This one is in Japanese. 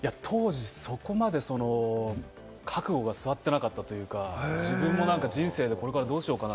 当時、そこまで覚悟がすわってなかったというか、自分も人生でこれからどうしようかな？